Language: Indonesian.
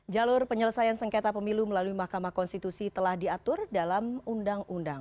jalur penyelesaian sengketa pemilu melalui mahkamah konstitusi telah diatur dalam undang undang